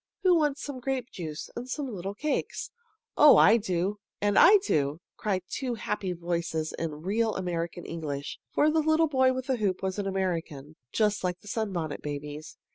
Who wants some grape juice and some little cakes?" "Oh, I do!" "And I do!" cried two happy voices in real American English, for the little boy with the hoop was an American, just like the Sunbonnet Babies.